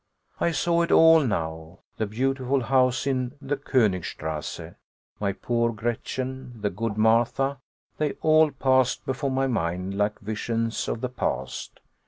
I saw it all now, the beautiful house in the Konigstrasse, my poor Gretchen, the good Martha; they all passed before my mind like visions of the past.